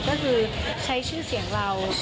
ก็คือใช้ชื่อเสียงเรา